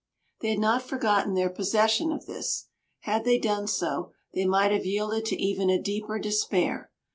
They had not forgotten their possession of this. Had they done so, they might have yielded to even a deeper despair.